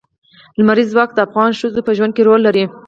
لمریز ځواک د افغان ښځو په ژوند کې رول لري.